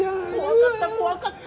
怖かった怖かった。